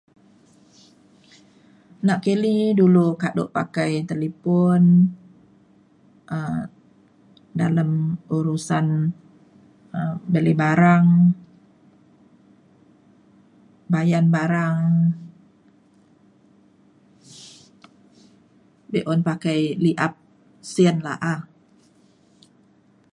Na kini dulu kaduk pakai telifon um dalem urusan um beli barang bayan barang beun pakai li'ap sin laah.